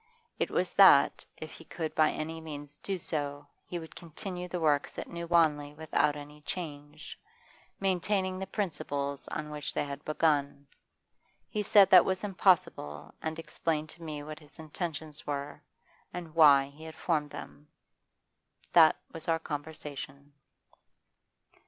It was that, if he could by any means do so, he would continue the works at New Wanley without any change, maintaining the principles on which they had been begun. He said that was impossible, and explained to me what his intentions were, and why he had formed them. That was our conversation.